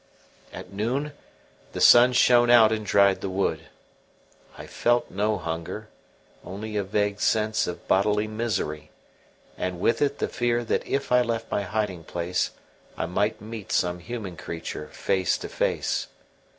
At noon the sun shone out and dried the wood. I felt no hunger, only a vague sense of bodily misery, and with it the fear that if I left my hiding place I might meet some human creature face to face.